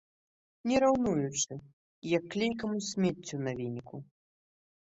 Не раўнуючы, як клейкаму смеццю на веніку.